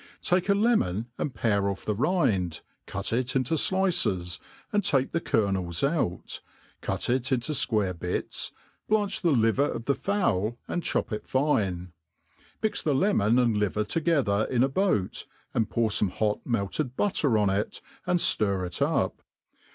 TAKE a lemon and pare ofi*' the rind, cut it into dices, and take the kernels out, cut it intofquare bits, blanch the li . ver of the fowl, and chop it fine j mix the lemon and liver to gether in a boat, and pour fome hot^ melted butter on it, and Itir it up.